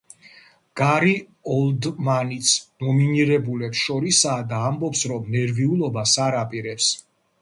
გარი ოლდმანიც ნომინირებულებს შორისაა და ამბობს, რომ ნერვიულობას არ აპირებს.